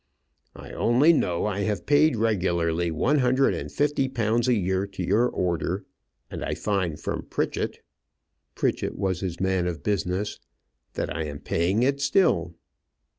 "I only know I have paid regularly one hundred and fifty pounds a year to your order, and I find from Pritchett" Pritchett was his man of business "that I am paying it still."